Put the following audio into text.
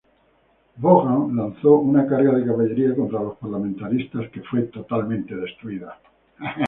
Vaughan lanzó una carga de caballería contra los parlamentaristas que fue totalmente destruida.